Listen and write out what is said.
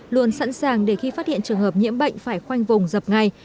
luôn sẵn sàng để khi phát hiện trường hợp nhiễm bệnh phải khoanh vùng dập ngay